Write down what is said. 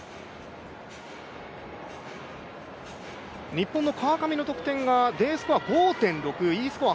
日本の川上の得点がＤスコア５．６、Ｅスコア